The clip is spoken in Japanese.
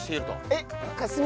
えっ？